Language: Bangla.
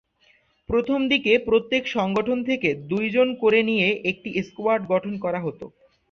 প্রথম দিকে প্রত্যেক সংগঠন থেকে দুইজন করে নিয়ে একটি স্কোয়াড গঠন করা হত।